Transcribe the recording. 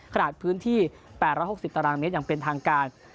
ขนาดพื้นที่๘๖๐ตรมยังเป็นทางการ